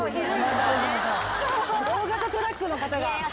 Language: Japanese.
大型トラックの方が。